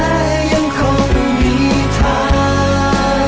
และยังคงมีทาง